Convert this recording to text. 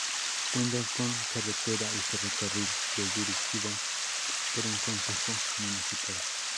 Cuenta con carretera y ferrocarril y es dirigido por un concejo municipal.